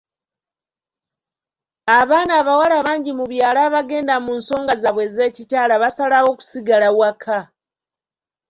Abaana abawala bangi mu byalo abagenda mu nsonga zaabwe ez'ekikyala basalawo kusigala waka.